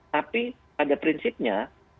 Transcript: tapi ada prinsipnya